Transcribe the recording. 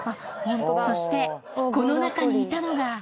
そして、この中にいたのが。